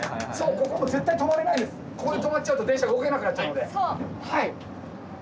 ここで止まっちゃうと電車が動けなくなっちゃうので。